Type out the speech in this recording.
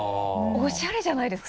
おしゃれじゃないですか？